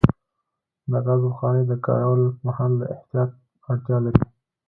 د ګازو بخاري د کارولو پر مهال د احتیاط اړتیا لري.